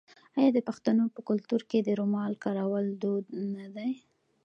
آیا د پښتنو په کلتور کې د رومال کارول دود نه دی؟